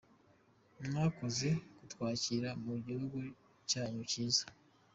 Mwakoze kutwakira mu gihugu cyanyu cyiza.